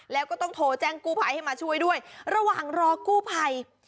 แล้วก็ต้องโทรแจ้งกู้ภัยให้มาช่วยด้วยระหว่างรอกู้ภัย